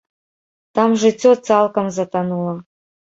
Там жыццё цалкам затанула.